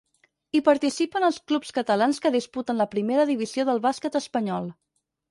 Hi participen els clubs catalans que disputen la primera divisió del bàsquet espanyol.